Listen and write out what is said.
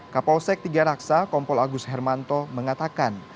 kapolsek tiga raksa kompol agus hermanto mengatakan